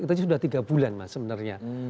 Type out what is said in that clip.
kita sudah tiga bulan mas sebenarnya